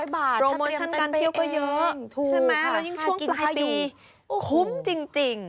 ๑๐๐บาทถ้าเตรียมเต็มไปเองถูกค่ะค่ะกินค่ะอยู่คุ้มจริง